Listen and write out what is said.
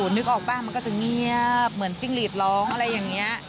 นึกออกป่ะมันก็จะเงียบเหมือนจิ้งหลีดร้องอะไรอย่างนี้